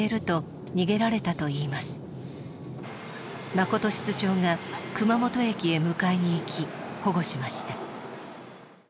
真琴室長が熊本駅へ迎えに行き保護しました。